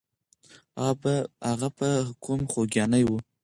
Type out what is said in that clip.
هغه په قوم خوګیاڼی وو.